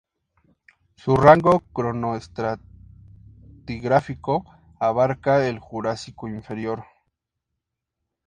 Su rango cronoestratigráfico abarca el Jurásico inferior.